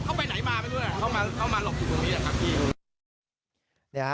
เขาไปไหนมาก็ไม่รู้เขามาหลบอยู่ตรงนี้